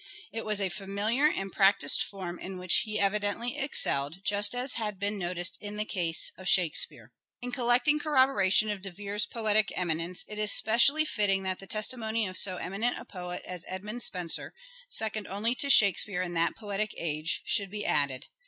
It was a familiar and practised form in which he evidently excelled, just as had been noticed in the case of Shakespeare. Edmund In collecting corroboration of De Vere's poetic Spenser. eminence it is specially fitting that the testimony of so eminent a poet as Edmund Spenser, second only to Shakespeare in that poetic age, should be added.